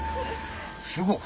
すごい！